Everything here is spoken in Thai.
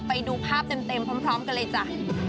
ไปดูภาพเต็มพร้อมกันเลยจ้ะ